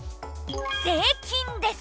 「税金」です。